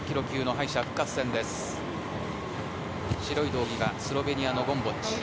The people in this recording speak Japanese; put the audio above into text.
白い道着がスロベニアのゴムボッチ。